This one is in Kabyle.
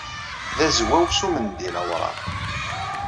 D azwaw s umendil awṛaɣ.